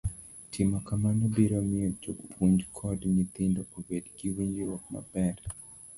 Timo kamano biro miyo jopuonj kod nyithindo obed gi winjruok maber.